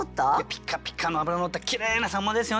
ピカピカの脂乗ったきれいな秋刀魚ですよね。